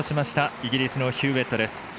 イギリスのヒューウェットです。